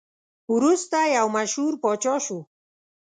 وروسته یو مشهور پاچا شو.